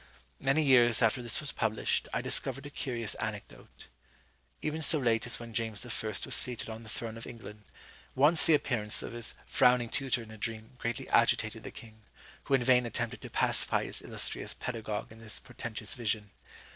Many years after this was published, I discovered a curious anecdote: Even so late as when James I. was seated on the throne of England, once the appearance of his frowning tutor in a dream greatly agitated the king, who in vain attempted to pacify his illustrious pedagogue in this portentous vision.